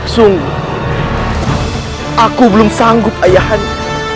sungguh aku belum sanggup ayah anda